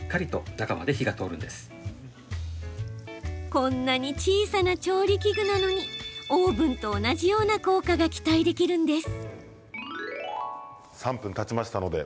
こんなに小さな調理器具なのにオーブンと同じような効果が期待できるんです。